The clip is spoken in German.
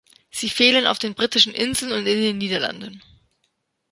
Sie fehlen auf den Britischen Inseln und in den Niederlanden.